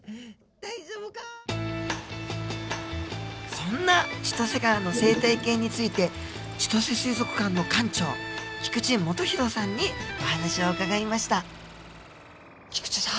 そんな千歳川の生態系について千歳水族館の館長菊池基弘さんにお話を伺いました菊池さん